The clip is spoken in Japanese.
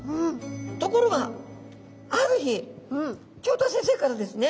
ところがある日教頭先生からですね